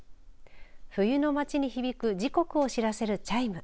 冬の街に響く時刻を知らせるチャイム。